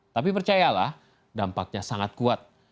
tapi percayalah dampaknya sangat kuat